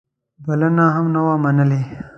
بلنه هم نه وه منلې.